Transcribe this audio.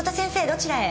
どちらへ？